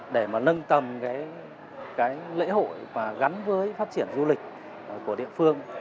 để mà nâng tầm cái lễ hội và gắn với phát triển du lịch của địa phương